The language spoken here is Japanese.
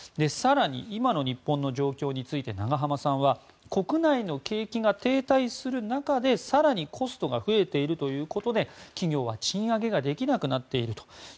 更に今の日本の状況について永濱さんは国内の景気が停滞する中で更にコストが増えているということで企業は賃上げができなくなっていると。